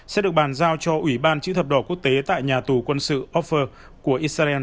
sẽ được bàn giao cho ủy ban chữ thập đỏ quốc tế tại nhà tù quân sự ofer của israel